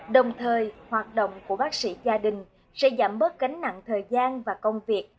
đồng thời hoạt động của bác sĩ gia đình sẽ giảm bớt gánh nặng thời gian và công việc